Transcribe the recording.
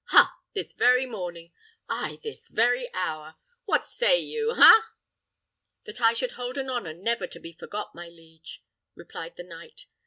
ha! This very morning ay, this very hour? What say you? ha!" "That I should hold an honour never to be forgot, my liege," replied the knight.